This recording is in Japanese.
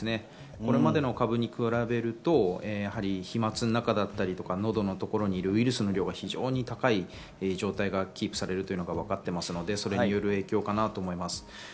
これまでの株に加えると、飛沫の中や喉のところにいるウイルスの量が高い状態がキープされるということがわかっていますので、その影響かなと思います。